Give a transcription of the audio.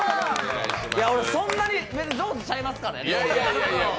俺、そんなに上手ちゃいますからね。